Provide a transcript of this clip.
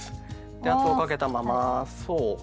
で圧をかけたままそう。